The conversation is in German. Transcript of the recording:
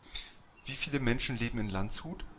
Wie viele Menschen leben in Landshut?